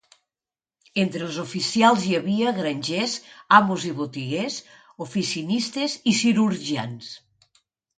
Entre els oficials hi havia granjers, amos i botiguers, oficinistes i cirurgians.